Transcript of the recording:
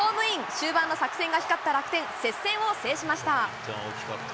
終盤の作戦が光った楽天、接戦を制しました。